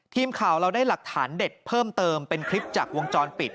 ทีมข่าวเราได้หลักฐานเด็ดเพิ่มเติมเป็นคลิปจากวงจรปิด